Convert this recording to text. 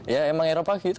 ya emang eropa gitu